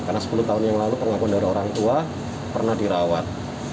karena sepuluh tahun yang lalu pengakuan dari orang tua pernah dirawat